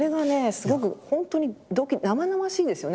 すごく本当に生々しいんですよね。